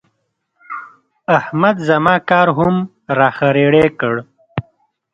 احمد زما کار هم را خرېړی کړ.